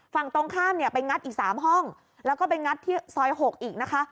ฝั่งตรงข้ามเนี่ยไปงัดอีก๓ห้องแล้วก็ไปงัดที่ซอย๖อีกนะคะ